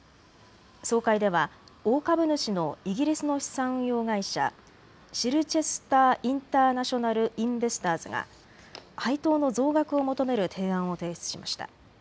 総会では大株主のイギリスの資産運用会社、シルチェスター・インターナショナル・インベスターズが配当の増額を求める提案を提出しました。